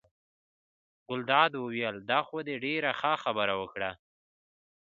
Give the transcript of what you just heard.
ګلداد وویل: دا خو دې ډېره ښه خبره وکړه.